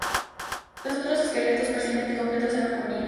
Los otros esqueletos parcialmente completos eran juveniles.